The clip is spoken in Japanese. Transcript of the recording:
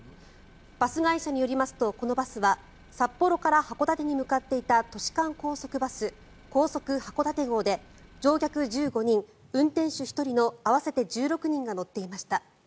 バス会社によりますとこのバスは札幌から函館に向かっていた都市間高速バス高速はこだて号で乗客１５人、運転手１人の合わせて１６人が乗っていました。